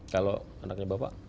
kalau anaknya bapak